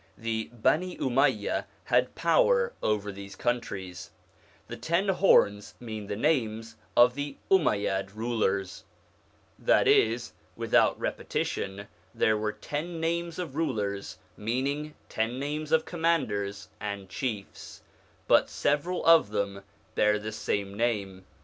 The Bani Umayya had power over these countries. The ten horns mean the names of the Umayyad rulers : that is, without repetition, there were ten names of rulers, meaning ten names of commanders and chiefs the first is Abu Sufian and the last Marwan but several of them bear the same name.